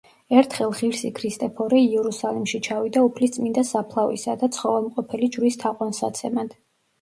ერთხელ ღირსი ქრისტეფორე იერუსალიმში ჩავიდა უფლის წმიდა საფლავისა და ცხოველმყოფელი ჯვრის თაყვანსაცემად.